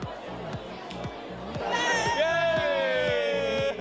イエーイ！